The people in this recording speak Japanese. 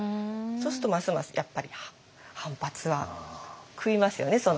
そうするとますますやっぱり反発は食いますよね